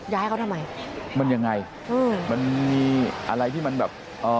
ย้ายเขาทำไมมันยังไงอืมมันมีอะไรที่มันแบบเอ่อ